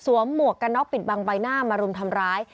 หมวกกันน็อกปิดบังใบหน้ามารุมทำร้าย